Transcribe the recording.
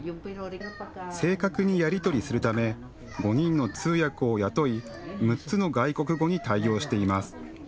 正確にやり取りするため５人の通訳を雇い６つの外国語に対応しています。